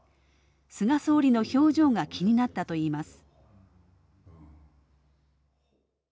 菅総理の表情が気になったといいます。